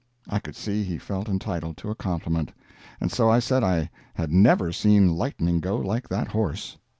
I could see he felt entitled to a compliment, and so l said I had never seen lightning go like that horse.